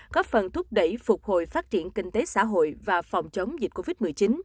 góp phần thúc đẩy phục hồi phát triển kinh tế xã hội và phòng chống dịch covid một mươi chín